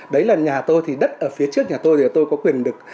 đấy là nhà tôi thì đất ở phía trước nhà tôi thì tôi có quyền được